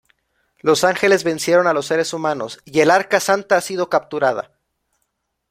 Los ángeles vencieron a los seres humanos, ¡y el Arca Santa ha sido capturada!".